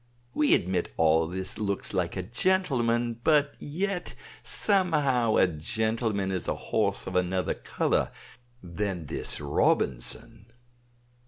We admit all this looks like a gentleman. But yet, somehow, a gentleman is a horse of another color than this Robinson."